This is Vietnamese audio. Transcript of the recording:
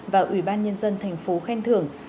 và ủy ban nhân dân thành phố khen thưởng